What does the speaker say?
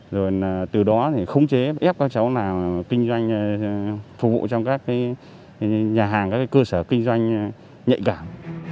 rồi từ đó thì khống chế ép các cháu nào kinh doanh phục vụ trong các nhà hàng các cơ sở kinh doanh nhạy cảm